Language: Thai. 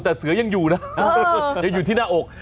แต่เสือยังอยู่นะยังอยู่ที่หน้าอก